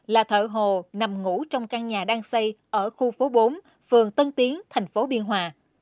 là thợ hồ nằm ngủ trong căn nhà đang xây ở khu phố bốn phường tân tiến thành phố biên hòa